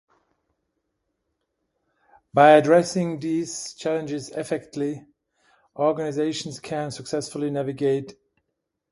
By addressing these challenges effectively, organizations can successfully navigate and benefit from organizational changes.